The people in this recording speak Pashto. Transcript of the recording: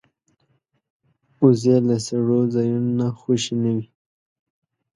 وزې له سړو ځایونو نه خوشې نه وي